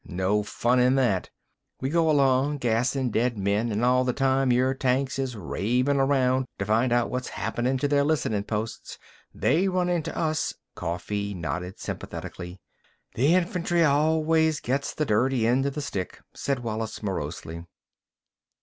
No fun in that! We go along gassin' dead men, an' all the time your tanks is ravin' around to find out what's happenin' to their listenin' posts. They run into us—" Coffee nodded sympathetically. "The infantry always gets the dirty end of the stick," said Wallis morosely.